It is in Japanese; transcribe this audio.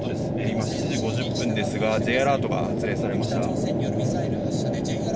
今、７時５０分ですがＪアラートが発令されました。